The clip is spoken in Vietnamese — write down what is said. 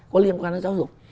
có liên quan đến giáo dục